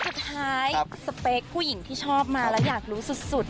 สุดท้ายสเปคผู้หญิงที่ชอบมาแล้วอยากรู้สุด